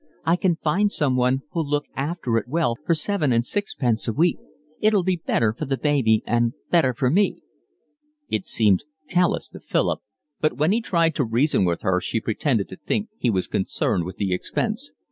"I can find someone who'll look after it well for seven and sixpence a week. It'll be better for the baby and better for me." It seemed callous to Philip, but when he tried to reason with her she pretended to think he was concerned with the expense.